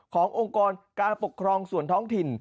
องค์กรการปกครองส่วนท้องถิ่น